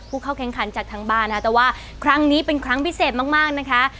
ผู้เข้าแข่งขันจากทางบ้านนะคะแต่ว่าครั้งนี้เป็นครั้งพิเศษมากนะคะ